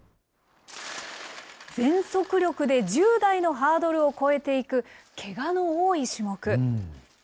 全速力で１０台のハードルを越えていく、けがの多い種目。